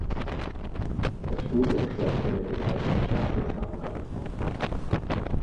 Das Studium schloss er mit dem Ersten Staatsexamen ab.